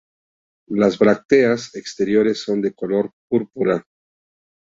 Las brácteas exteriores son de color púrpura.